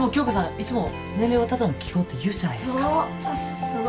いつも年齢はただの記号って言うじゃないそう